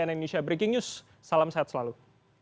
di ane indonesia breaking news salam sehat selalu